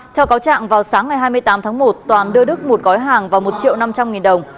theo cáo trạng vào sáng ngày hai mươi tám tháng một toàn đưa đức một gói hàng và một triệu năm trăm linh nghìn đồng